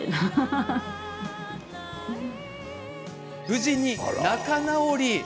無事に仲直り。